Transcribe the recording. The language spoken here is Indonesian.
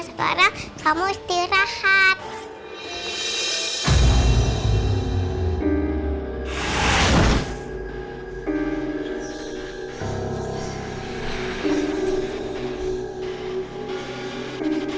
sekarang kamu istirahat